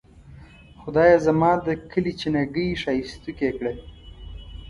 خدایه زما د کلي چینه ګۍ ښائستوکې کړه.